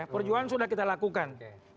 perjuangan sudah kita lakukan